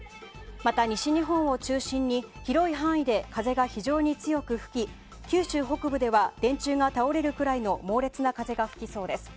また、西日本を中心に広い範囲で風が非常に強く吹き九州北部では電柱が倒れるくらいの猛烈な風が吹きそうです。